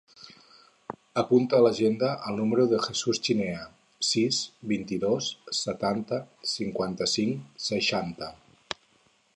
Apunta a l'agenda el número del Jesús Chinea: sis, vint-i-dos, setanta, cinquanta-cinc, seixanta.